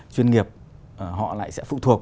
chuyên nghiệp họ lại sẽ phụ thuộc